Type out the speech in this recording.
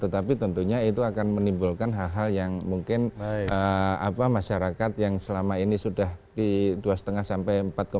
tetapi tentunya itu akan menimbulkan hal hal yang mungkin masyarakat yang selama ini sudah di dua lima sampai empat lima